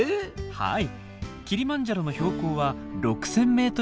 はい。